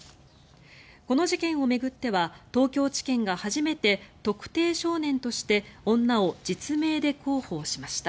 この事件を巡っては東京地検が初めて特定少年として女を実名で広報しました。